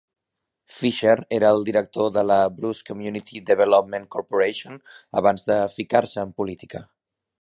Fisher era el director de la Bruce Community Development Corporation abans de ficar-se en política.